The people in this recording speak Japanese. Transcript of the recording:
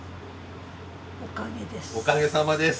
おかげさまです！